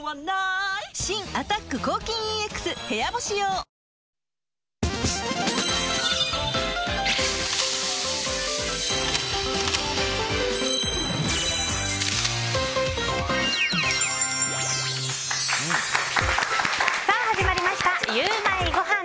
新「アタック抗菌ＥＸ部屋干し用」さあ、始まりましたゆウマいごはん。